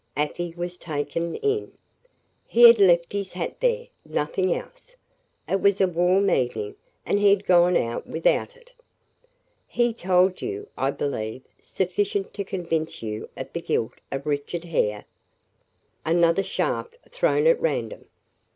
Afy was taken in. "He had left his hat there nothing else. It was a warm evening, and he had gone out without it." "He told you, I believe, sufficient to convince you of the guilt of Richard Hare?" Another shaft thrown at random.